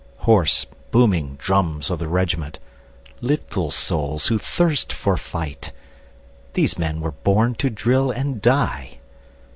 Hoarse, booming drums of the regiment, Little souls who thirst for fight, These men were born to drill and die.